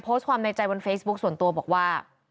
โพสต์ความในใจบนเฟซบุ๊คส่วนตัวบอกว่า